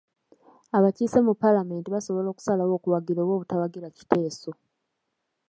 Abakiise mu paalamenti basobola okusalawo okuwagira oba obutawagira kiteeso.